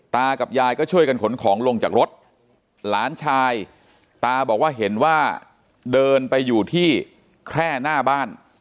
ตากับยายก็ช่วยกันขนของลงจากรถหลานชายตาบอกว่าเห็นว่าเดินไปอยู่ที่แคร่หน้าบ้าน